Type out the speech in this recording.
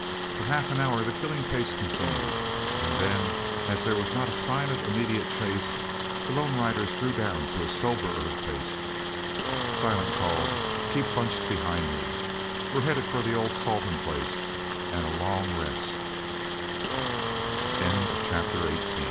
For half an hour the killing pace continued, and then, as there was not a sign of immediate chase, the lone riders drew down to a soberer pace. Silent called: "Keep bunched behind me. We're headed for the old Salton place an' a long rest." CHAPTER XIX REAL MEN Some people pointed out t